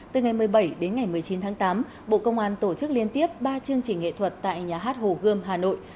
từ ngày một mươi bảy đến ngày một mươi chín tháng tám bộ công an tổ chức liên tiếp ba chương trình nghệ thuật tại nhà hát hồ gươm hà nội